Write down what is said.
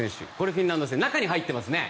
フィンランド戦中に入ってますね。